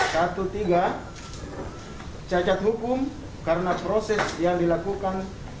satu tiga cacat hukum karena proses yang dilakukan